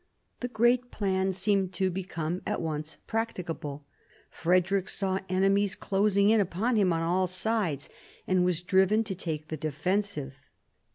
The great plan seemed to become at once practicable. Frederick saw enemies closing in upon him on all sides, and was driven to take the defensive.